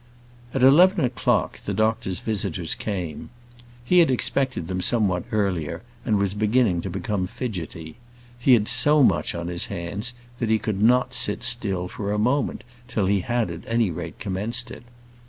At eleven o'clock the doctor's visitors came. He had expected them somewhat earlier, and was beginning to become fidgety. He had so much on his hands that he could not sit still for a moment till he had, at any rate, commenced it.